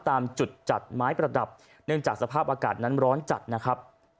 ตามจุดจัดไม้ประดับเนื่องจากสภาพอากาศนั้นร้อนจัดนะครับ